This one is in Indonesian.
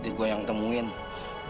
tuh berantakan ini